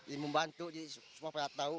ini membantu semua peratau